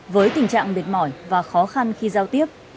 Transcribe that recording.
với tình trạng mệt mỏi và khó khăn khi giao tiếp